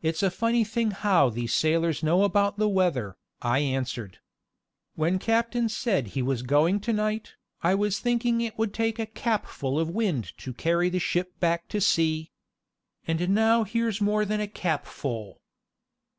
"It's a funny thing how these sailors know about the weather," I answered. "When captain said he was going to night, I was thinking it would take a capful of wind to carry the ship back to sea; and now here's more than a capful."